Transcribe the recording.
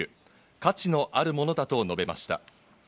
価値のあるものだと述べました。